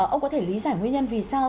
ông có thể lý giải nguyên nhân vì sao